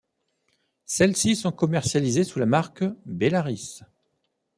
Celles-ci sont commercialisées sous la marque Bellaris.